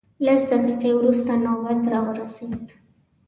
لس دقیقې وروسته نوبت راورسېد.